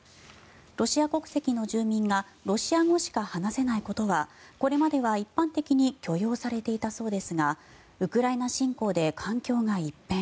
ロシア国籍の住民がロシア語しか話せないことはこれまでは一般的に許容されていたそうですがウクライナ侵攻で環境が一変。